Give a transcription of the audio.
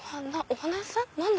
お花屋さん？